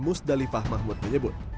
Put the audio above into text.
musdalifah mahmud menyebut